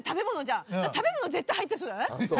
食べ物絶対入ってそうじゃない？